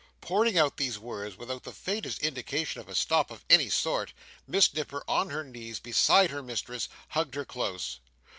Pouring out these words, without the faintest indication of a stop, of any sort, Miss Nipper, on her knees beside her mistress, hugged her close.